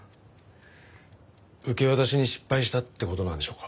受け渡しに失敗したって事なんでしょうか？